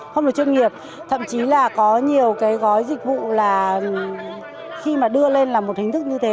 không được chuyên nghiệp thậm chí là có nhiều cái gói dịch vụ là khi mà đưa lên là một hình thức như thế